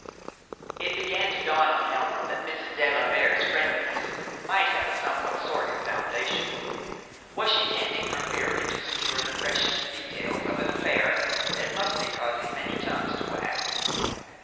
It began to dawn on Helen that Mrs. de la Vere's friendliness might have a somewhat sordid foundation. Was she tending her merely to secure the freshest details of an affair that must be causing many tongues to wag?